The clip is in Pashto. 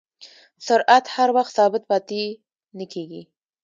سرعت هر وخت ثابت پاتې نه کېږي.